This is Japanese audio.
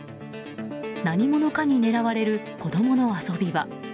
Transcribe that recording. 何者かに狙われる子供の遊び場。